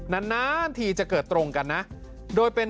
นานทีจะเกิดตรงกันนะโดยเป็น